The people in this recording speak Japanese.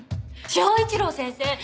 昭一郎先生